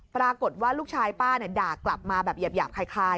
ปรากฏว่าลูกชายป้าด่ากลับมาแบบหยาบคล้าย